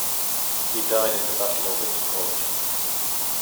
He died in the Battle of Witpoort.